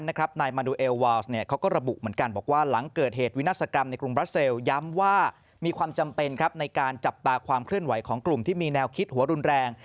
นายมาดูเอลวาวส์เขาก็ระบุเหมือนกันบอกว่าหลังเกิดเหตุวินาศกรรมในกรุงบราเซลย้ำว่ามีความจำเป็นในการจับตาความเคลื่อนไหวของกลุ่มที่มีแนวคิดหัวรุนแรง